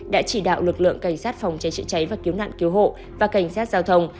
đã chỉ đạo lực lượng cảnh sát phòng cháy chữa cháy và cứu nạn cứu hộ và cảnh sát giao thông